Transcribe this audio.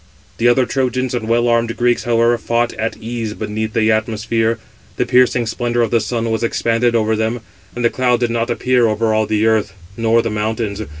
The other Trojans and well armed Greeks, however, fought at ease 557 beneath the atmosphere; the piercing splendour of the sun was expanded over them, and a cloud did not appear over all the earth, nor the mountains.